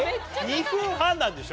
２分半なんでしょ？